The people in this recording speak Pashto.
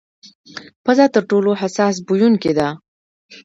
پزه تر ټولو حساس بویونکې ده.